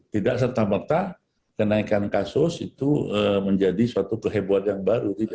tidak serta merta kenaikan kasus itu menjadi suatu kehebohan yang baru